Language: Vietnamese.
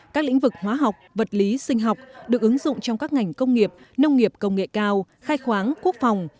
các lĩnh vực hóa học vật lý sinh học được ứng dụng trong các ngành công nghiệp nông nghiệp công nghệ cao khai khoáng quốc phòng